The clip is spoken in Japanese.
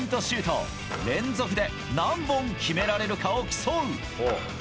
シュートを連続で何本決められるかを競う。